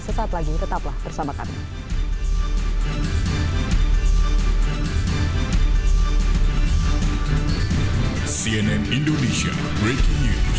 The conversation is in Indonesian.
sesaat lagi tetaplah bersama kami